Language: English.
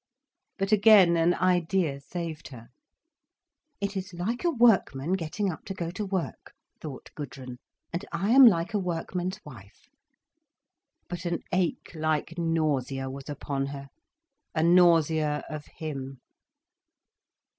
But again an idea saved her. "It is like a workman getting up to go to work," thought Gudrun. "And I am like a workman's wife." But an ache like nausea was upon her: a nausea of him.